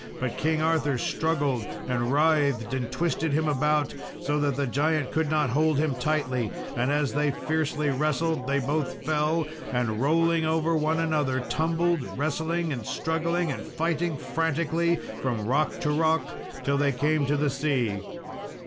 But King Arthur struggled and writhed, and twisted him about, so that the giant could not hold him tightly; and as they fiercely wrestled, they both fell, and rolling over one another, tumbled wrestling, and struggling, and fighting frantically from rock to rock, till they came to the sea.